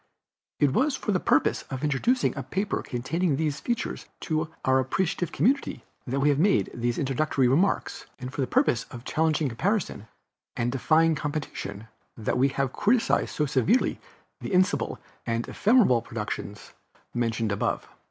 It was for the purpose of introducing a paper containing these features to our appreciative community that we have made these introductory remarks, and for the purpose of challenging comparison, and defying competition, that we have criticized so severely the imbecile and ephemeral productions mentioned above.